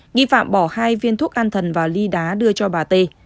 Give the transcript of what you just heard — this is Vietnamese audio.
nghi phạm bỏ hai viên thuốc an thần và ly đá đưa cho bà t